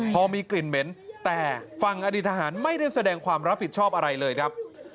พอมีกลิ่นเหม็นแต่ฝั่งอดีตทหารไม่ได้แสดงความรับผิดชอบอะไรเลยครับ